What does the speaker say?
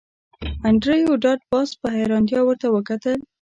انډریو ډاټ باس په حیرانتیا ورته وکتل